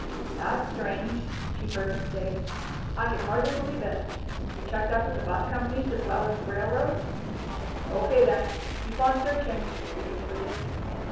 "That's strange," she heard him say. "I can hardly believe it.... You checked up with the bus companies as well as the railroads?... O.K., then. Keep on searching," he concluded.